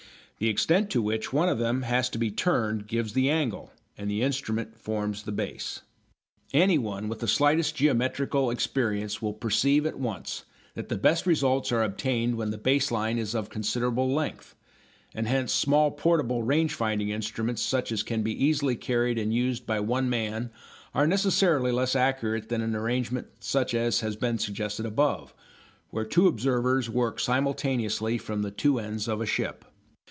The extent to which one of them has to be turned gives the angle, and the instrument forms the base. Anyone with the slightest geometrical experience will perceive at once that the best results are obtained when the base line is of considerable length, and hence small portable range finding instruments such as can be easily carried and used by one man are necessarily less accurate than an arrangement such as has been suggested above, where two observers work simultaneously from the two ends of a ship.